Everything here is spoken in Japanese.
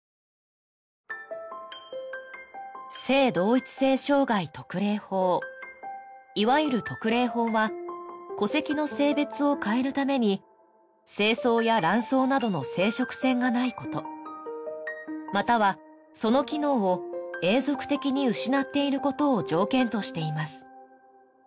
性同一性障害特例法いわゆる特例法は戸籍の性別を変えるために精巣や卵巣などの生殖腺がないことまたはその機能を永続的に失っていることを条件としています